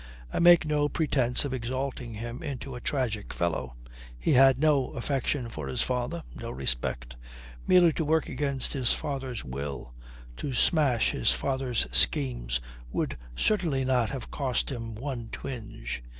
I make no pretence of exalting him into a tragic fellow. He had no affection for his father, no respect. Merely to work against his father's will, to smash his father's schemes, would certainly not have cost him one twinge.